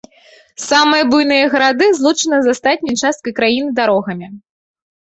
Самыя буйныя гарады злучаны з астатняй часткай краіны дарогамі.